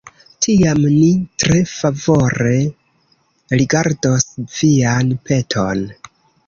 Tiam ni tre favore rigardos vian peton.